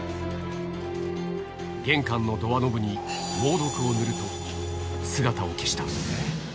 玄関のドアノブに猛毒を塗ると、姿を消した。